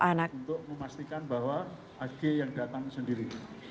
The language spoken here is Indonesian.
untuk memastikan bahwa ag yang datang sendiri